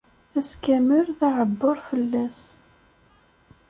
Ass kamel, d aɛebber fell-as.